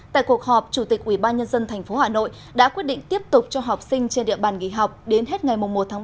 tại cuộc họp chủ tịch ubnd tp hà nội đã quyết định tiếp tục cho học sinh trên địa bàn nghỉ học đến hết ngày một ba